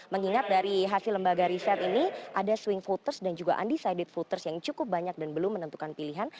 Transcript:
mengingat dari hasil lembaga riset ini ada swing voters dan juga undecided voters yang cukup banyak dan belum menentukan pilihan